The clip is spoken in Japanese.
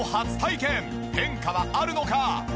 変化はあるのか？